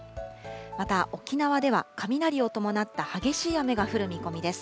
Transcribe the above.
また沖縄では、雷を伴った激しい雨が降る見込みです。